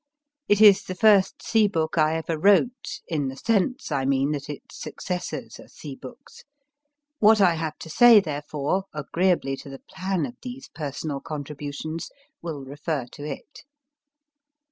It is the first sea book I ever wrote, in the sense, I mean, that its successors are sea books : what I have to say, therefore, agreeably to the plan of these personal contributions, will refer to it.